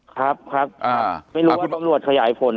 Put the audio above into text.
ครับครับไม่รู้ว่าตำรวจขยายผล